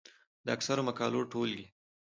د اکثرو مقالو ټولګې،